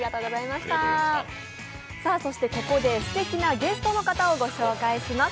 ここですてきなゲストの方をお迎えします。